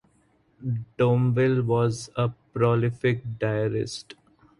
Domvile was a prolific diarist.